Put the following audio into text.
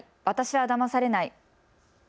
私はだまされない。